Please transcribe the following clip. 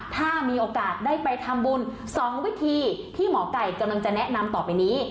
ถ้ามีโอกาสได้ไปทำบุญ๒วิธีที่หมอไก่กำลังจะแนะนำต่อไปนี้